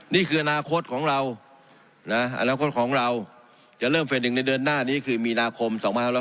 นี่คืออนาคตของเราจะเริ่มเฟส๑ในเดือนหน้านี้คือมีนาคม๒๐๖๔